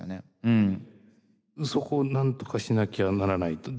そこをなんとかしなきゃならないと。